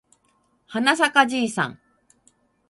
はなさかじいさん